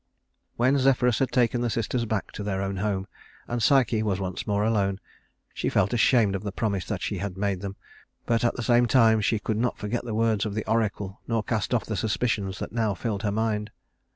When Zephyrus had taken the sisters back to their own home, and Psyche was once more alone, she felt ashamed of the promise that she had made them; but at the same time she could not forget the words of the oracle nor cast off the suspicions that now filled her mind.